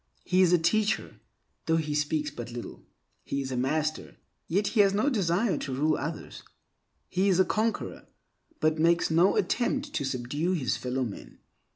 He is a Teacher, though he speaks but little. He is a Master, yet he has no desire to rule others. He is a Conqueror, but makes no attempt to subdue his fellow men.